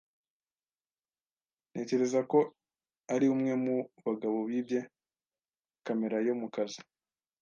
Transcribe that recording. Ntekereza ko ari umwe mu bagabo bibye kamera yo mukazi.